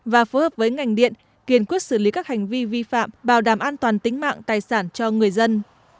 và phối hợp với ngành điện kiên quyết xử lý các hành vi vi phạm bảo đảm an toàn tính mạng tài sản cho người dân